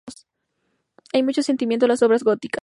Hay mucho sentimiento en las obras góticas.